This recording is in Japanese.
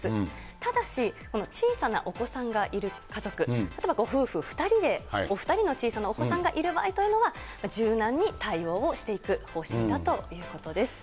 ただし、この小さなお子さんがいる家族、例えばご夫婦２人で、お２人の小さなお子さんがいる場合というのは、柔軟に対応をしていく方針だということです。